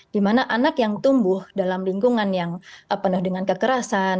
dimana anak yang tumbuh dalam lingkungan yang penuh dengan kekerasan